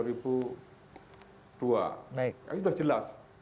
itu sudah jelas